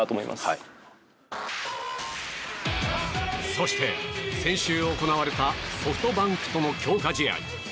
そして先週行われたソフトバンクとの強化試合。